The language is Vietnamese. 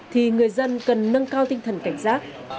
thì người dân cần nâng cao tinh thần cảnh giác